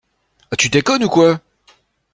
Tu déconnes ou quoi?